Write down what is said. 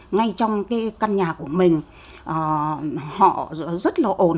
ngay trong cái căn nhà của mình họ rất là ổn